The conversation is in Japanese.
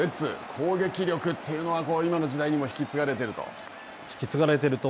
攻撃力というのは今の時代にも引き継がれていると。